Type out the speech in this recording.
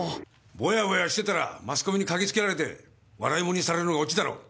ボヤボヤしてたらマスコミに嗅ぎつけられて笑い物にされるのがオチだろう。